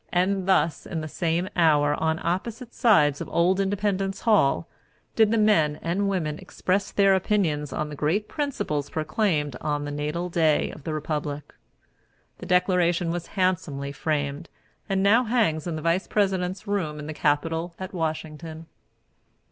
And thus in the same hour, on opposite sides of old Independence Hall, did the men and women express their opinions on the great principles proclaimed on the natal day of the Republic. The Declaration was handsomely framed, and now hangs in the Vice President's room in the Capitol at Washington.